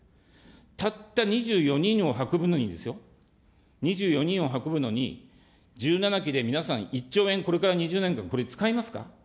たった２４人を運ぶのにですよ、２４人を運ぶのに、１７機で皆さん、１兆円、これから２０年間これ使いますか。